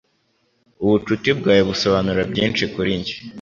Ubucuti bwawe busobanura byinshi kuri njye.